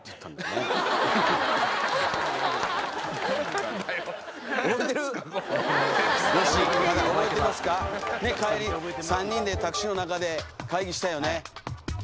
ねっ帰り３人でタクシーの中で会議したよね